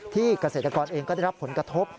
ที่กระเศษฐกรเองก็ได้รับผลกระทบ